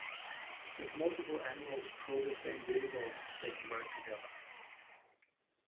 If multiple animals pull the same vehicle, they can work together.